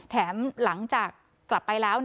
หลังจากกลับไปแล้ว